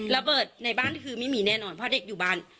ระเบิดในบ้านคือไม่มีแน่นอนเพราะเด็กอยู่บ้าน